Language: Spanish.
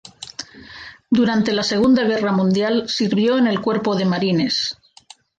Durante la Segunda Guerra Mundial sirvió en el Cuerpo de Marines.